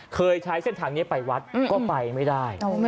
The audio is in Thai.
เคยใช้เส้นทางนี้ไปวัดก็ไปไม่ได้